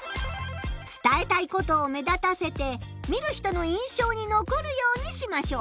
伝えたいことを目立たせて見る人の印象にのこるようにしましょう。